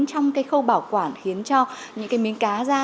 trong cái khâu bảo quản khiến cho những cái miếng cá ra